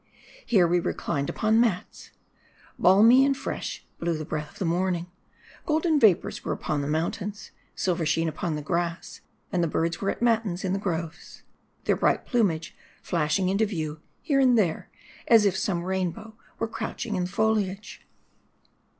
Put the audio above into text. Here we reclined upon mats. Balmy and fresh blew the breath of the morn ing ; golden vapors were upon the mountains, silver sheen upon the grass ; and the birds were at matins in the groves ; their bright plumage flashing into view, here and there, as if some rainbow were crouching in the foliage.